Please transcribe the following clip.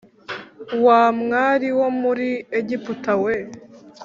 Wa mwari wo muri Egiputa we